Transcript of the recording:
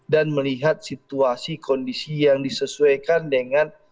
dan melihat situasi kondisi yang disesuaikan dengan